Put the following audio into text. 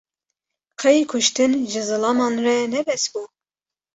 Qey kuştin, ji zaliman re ne bes bû